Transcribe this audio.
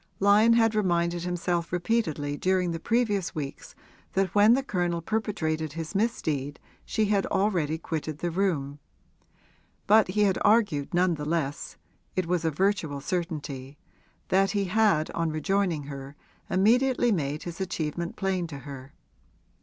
Lyon had reminded himself repeatedly during the previous weeks that when the Colonel perpetrated his misdeed she had already quitted the room; but he had argued none the less it was a virtual certainty that he had on rejoining her immediately made his achievement plain to her.